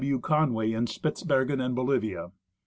M. Conway in Spitzbergen and Bolivia.